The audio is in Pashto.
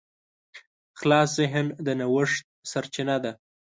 خلاص ذهن د نوښت سرچینه ده.